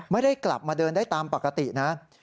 ไม่ได้กลับมาเดินได้ตามปกตินะ